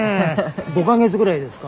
５か月ぐらいですか？